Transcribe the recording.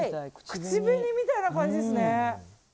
口紅みたいな感じですね。